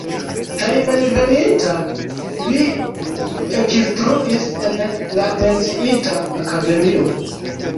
Hejmenveninta li ekinstruis en la menciita akademio.